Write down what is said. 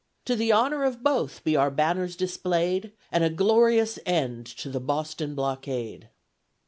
To the Honour of both be our Banners display'd, And a glorious End to the BOSTON BLOCKADE.